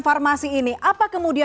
ternyata ini dengan penyelidikan